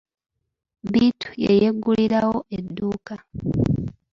Bittu ye yeggulirawo edduuka.